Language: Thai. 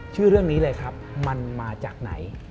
ชื่อเรื่องนี้เลยครับมันมาจากไหน